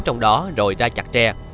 trong đó rồi ra chặt tre